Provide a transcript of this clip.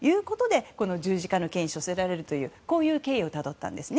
この十字架の刑に処せられるという経緯をたどったんですね。